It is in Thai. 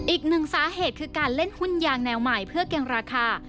อีกหนึ่งสาเหตุคือการเล่นหุ้นยางแนวใหม่เพื่อเกรงราคา